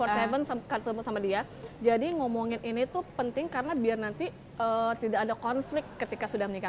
per tujuh ketemu sama dia jadi ngomongin ini tuh penting karena biar nanti tidak ada konflik ketika sudah menikah